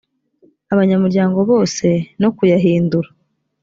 abanyamuryango bose no kuyahindura